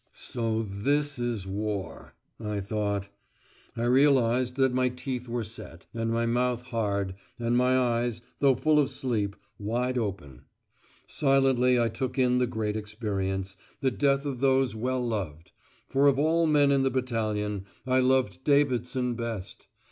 "So this is War," I thought. I realised that my teeth were set, and my mouth hard, and my eyes, though full of sleep, wide open: silently I took in the great experience, the death of those well loved. For of all men in the battalion I loved Davidson best.